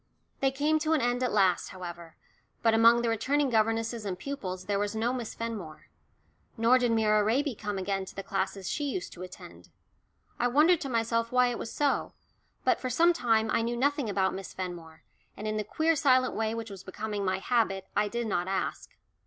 They came to an end at last, however, but among the returning governesses and pupils there was no Miss Fenmore. Nor did Myra Raby come again to the classes she used to attend. I wondered to myself why it was so, but for some time I knew nothing about Miss Fenmore, and in the queer silent way which was becoming my habit I did not ask.